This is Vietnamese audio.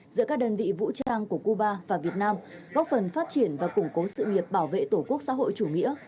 giữa các đơn vị vũ trang của cuba và việt nam góp phần phát triển và củng cố sự nghiệp bảo vệ tổ quốc xã hội chủ nghĩa